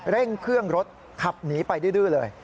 เร่งเครื่องรถขับหนีไปดื้อเลย